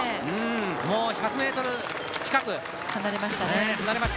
もう１００メートル近く離れましたね。